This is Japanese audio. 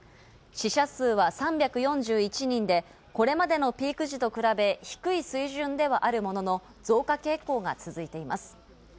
死者数は３４１人でこれまでのピーク時と比べ、低い水準ではあるものの、増加傾向が続いています。